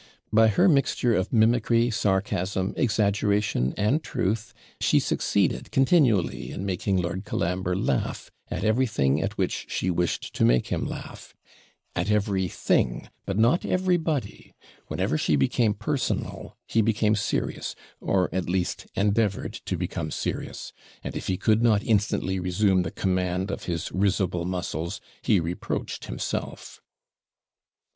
By her mixture of mimickry, sarcasm, exaggeration, and truth, she succeeded continually in making Lord Colambre laugh at everything at which she wished to make him laugh; at every THING, but not every BODY whenever she became personal, he became serious, or at least endeavoured to become serious; and if he could not instantly resume the command of his risible muscles, he reproached himself.